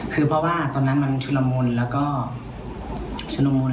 คือเพราะว่าตอนนั้นมันชุนละมุนแล้วก็ชุดละมุน